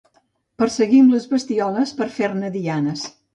Perseguim les bestioles per fer-ne dianes.